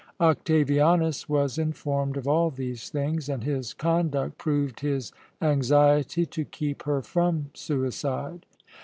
Octavianus was informed of all these things, and his conduct proved his anxiety to keep her from suicide.